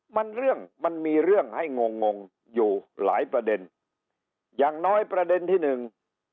มันเรื่องมันมีเรื่องให้งงงงงอยู่หลายประเด็นอย่างน้อยประเด็นที่หนึ่ง